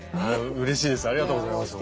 うれしいです。